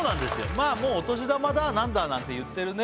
まあもうお年玉だ何だなんて言ってるね